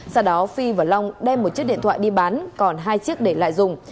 sau đó phi và long đem một chiếc điện thoại đi bán còn hai chiếc để lại dùng